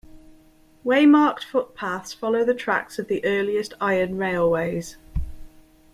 Waymarked footpaths follow the tracks of the earliest iron railways.